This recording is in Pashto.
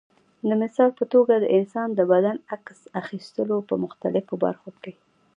د مثال په توګه د انسان د بدن عکس اخیستلو په مختلفو برخو کې.